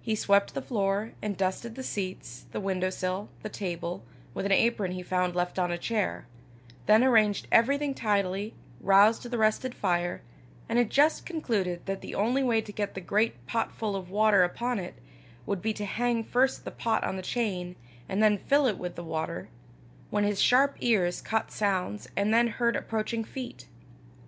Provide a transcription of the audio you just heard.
He swept the floor, and dusted the seats, the window sill, the table, with an apron he found left on a chair, then arranged everything tidily, roused the rested fire, and had just concluded that the only way to get the great pot full of water upon it, would be to hang first the pot on the chain, and then fill it with the water, when his sharp ears caught sounds and then heard approaching feet.